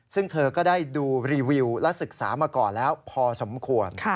ซึ่งเธอก็ได้ดูรีวิวและศึกษามาก่อนแล้วพอสมควร